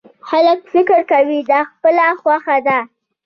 خلک فکر کوي دا خپله خوښه ده.